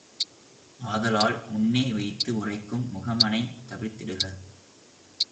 ஆதலால் முன்னே வைத்து உரைக்கும் முகமனைத் தவிர்த்திடுக!